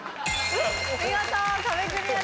見事壁クリアです。